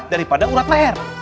daripada urat naher